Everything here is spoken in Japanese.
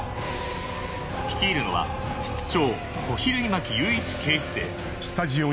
率いるのは室長小比類巻祐一警視正。